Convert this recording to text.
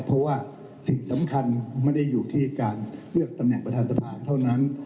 เพราะว่าสิ่งสำคัญไม่ได้อยู่ที่การเลือกตำแหน่งประธานสภาเท่านั้น